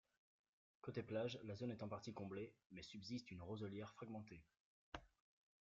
Côté plage la zone est en partie comblée, mais subsiste une roselière fragmentée.